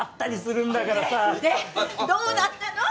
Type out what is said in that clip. どうだったの？